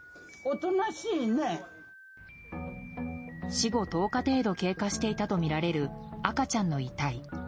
死後１０日程度経過していたとみられる赤ちゃんの遺体。